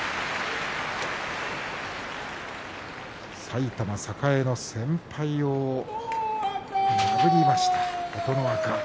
埼玉栄の先輩を破りました、琴ノ若。